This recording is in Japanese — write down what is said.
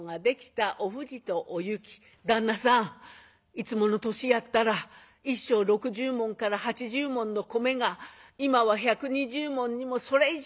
いつもの年やったら１升６０文から８０文の米が今は１２０文にもそれ以上にもなっとるがや。